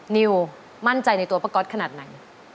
นิวมั่นใจในตัวป้าก๊อตขนาดไหน